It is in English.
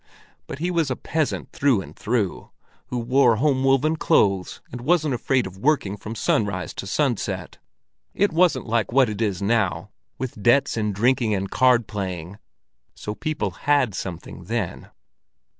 But he was a peasant through and through, who wore home woven clothes, and wasn't afraid of working from sunrise to sunset. It wasn't like what it is now, with debts and drinking and card playing, so people had something then."